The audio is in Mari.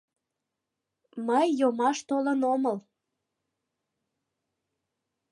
— Мый йомаш толын омыл.